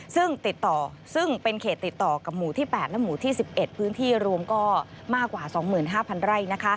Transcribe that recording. ซึ่งติดต่อซึ่งเป็นเขตติดต่อกับหมู่ที่๘และหมู่ที่๑๑พื้นที่รวมก็มากกว่า๒๕๐๐ไร่